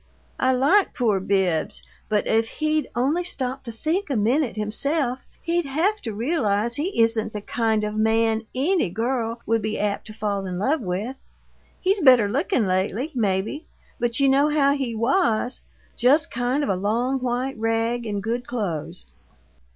I like poor Bibbs, but if he'd only stop to think a minute himself he'd have to realize he isn't the kind of man ANY girl would be apt to fall in love with. He's better looking lately, maybe, but you know how he WAS just kind of a long white rag in good clothes.